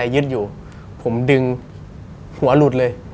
ก็ดึงหัวหลุดเลย